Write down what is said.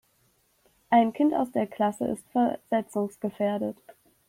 Ein Kind aus der Klasse ist versetzungsgefährdet.